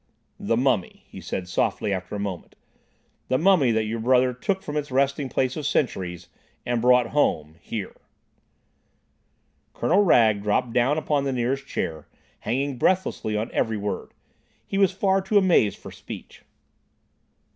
"The mummy," he said softly, after a moment; "the mummy that your brother took from its resting place of centuries, and brought home—here." Colonel Wragge dropped down upon the nearest chair, hanging breathlessly on every word. He was far too amazed for speech.